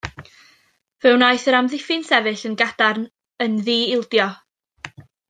Fe wnaeth yr amddiffyn sefyll yn gadarn, yn ddi-ildio.